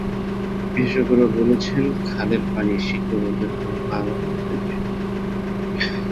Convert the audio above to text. বিশেষজ্ঞরা বলেছেন, খালের পানি শিল্পবর্জ্যের কারণে ভয়াবহ মাত্রায় দূষিত হয়ে পড়েছে।